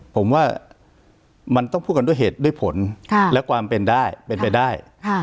ผมว่ามันต้องพูดกันด้วยเหตุด้วยผลและความเป็นได้เป็นไปได้